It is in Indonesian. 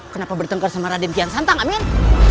kenapa bertengkar sama raden kian santang amin